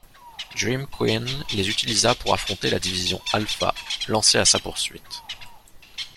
Dreamqueen les utilisa pour affronter la Division Alpha lancée à sa poursuite.